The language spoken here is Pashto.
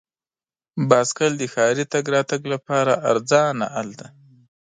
بایسکل د ښاري تګ راتګ لپاره ارزانه حل دی.